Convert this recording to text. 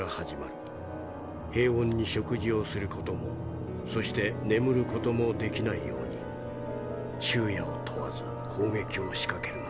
平穏に食事をする事もそして眠る事もできないように昼夜を問わず攻撃を仕掛けるのだ。